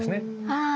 ああ。